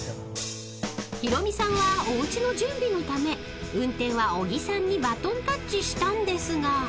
［ヒロミさんはおうちの準備のため運転は小木さんにバトンタッチしたんですが］